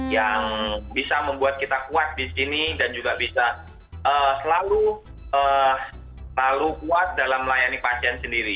yang bisa membuat kita kuat di sini dan juga bisa selalu kuat dalam melayani pasien sendiri